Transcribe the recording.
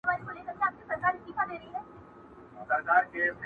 تر قدمه يې په زر ځله قربان سول؛